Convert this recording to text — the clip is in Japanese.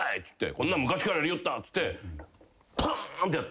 こんなん昔からやりよった」ってぱーんってやって。